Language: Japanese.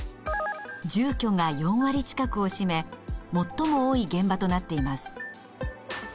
住居が４割近くを占め最も多い現場となっています。